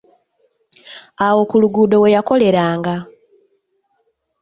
Awo ku luguudo we yakoleranga.